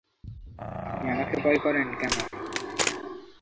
আপনি আমাকে ভয় করেন কেন?